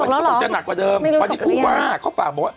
ตกเราหรอคือผู้ว่า